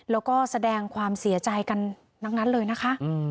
แล้วก็แสดงความเสียใจกันทั้งนั้นเลยนะคะ